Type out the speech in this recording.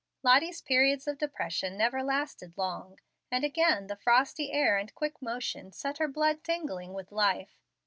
Lottie's periods of depression never lasted long, and again the frosty air and quick motion set her blood tingling with life.